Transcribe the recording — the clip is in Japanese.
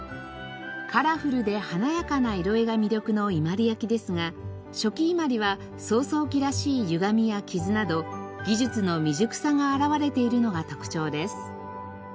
カラフルで華やかな色絵が魅力の伊万里焼ですが初期伊万里は草創期らしいゆがみや傷など技術の未熟さが表れているのが特徴です。